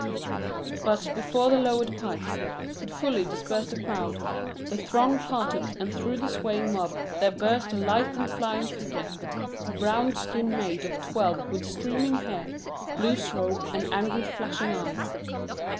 But, before the lowered pikes could fully disperse the crowd, the throng parted and through the swaying mob there burst a lithe and flying figure a brown skinned maid of twelve with streaming hair, loose robe, and angry, flashing eyes.